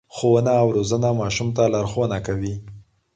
ښوونه او روزنه ماشوم ته لارښوونه کوي.